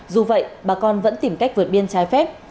dù vậy bà con vẫn tìm cách vượt biên trái phép